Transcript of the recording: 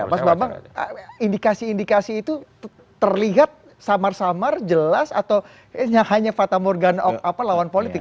mas bambang indikasi indikasi itu terlihat samar samar jelas atau hanya fata morgano lawan politik